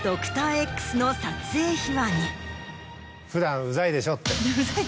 普段ウザいでしょって。